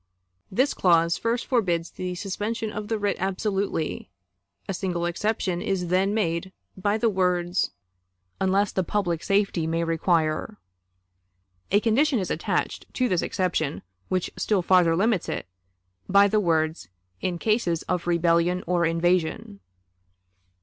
This clause first forbids the suspension of the writ absolutely. A single exception is then made by the words "unless the public safety may require." A condition is attached to this exception which still farther limits it, by the words "in cases of rebellion or invasion."